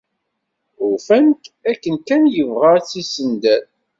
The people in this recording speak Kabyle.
Ufan-t akken kan yebɣa ad tt-yessender.